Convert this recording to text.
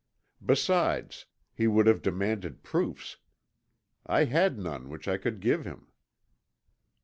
Besides, he would have demanded proofs. I had none which I could give him."